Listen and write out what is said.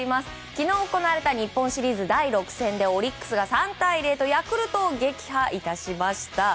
昨日行われた日本シリーズ第６戦でオリックスが３対０とヤクルトを撃破いたしました。